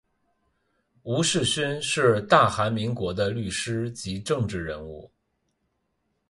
吴世勋是大韩民国的律师及政治人物。